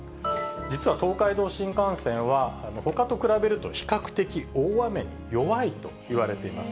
実は東海道新幹線は、ほかと比べると比較的大雨に弱いといわれています。